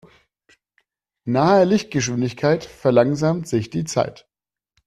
Nahe Lichtgeschwindigkeit verlangsamt sich die Zeit.